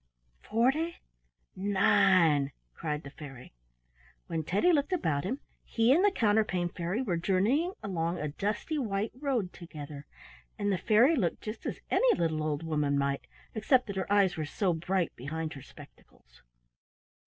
"FORTY NINE!" cried the fairy. When Teddy looked about him he and the Counterpane Fairy were journeying along a dusty white road together, and the fairy looked just as any little old woman might, except that her eyes were so bright behind her spectacles.